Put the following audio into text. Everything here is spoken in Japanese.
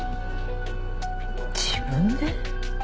自分で？